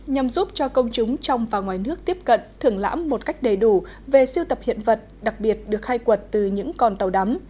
nhằm giúp cho công chúng trong và ngoài nước tiếp cận thưởng lãm một cách đầy đủ về siêu tập hiện vật đặc biệt được khai quật từ những con tàu đắm